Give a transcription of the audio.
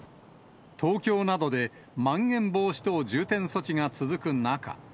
東京などでまん延防止等重点措置が続く中。